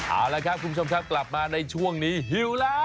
เอาละครับคุณผู้ชมครับกลับมาในช่วงนี้หิวแล้ว